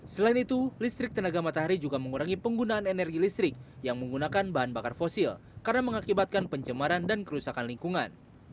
selain itu listrik tenaga matahari juga mengurangi penggunaan energi listrik yang menggunakan bahan bakar fosil karena mengakibatkan pencemaran dan kerusakan lingkungan